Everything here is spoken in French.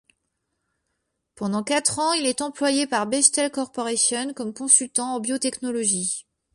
Pendant quatre ans il est employé par Bechtel Corporation comme consultant en biotechnologie.